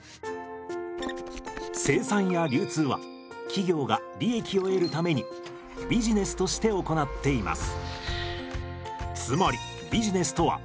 生産や流通は企業が利益を得るためにビジネスとして行っています。